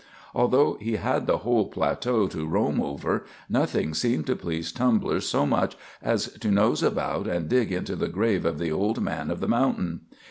Although he had the whole plateau to roam over, nothing seemed to please Tumbler so much as to nose about and dig into the grave of the old man of the mountain.